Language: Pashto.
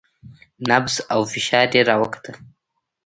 نبض او فشار يې راوکتل.